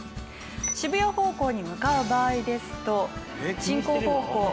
渋谷方向に向かう場合ですと進行方向